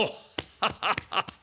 ハハハハ！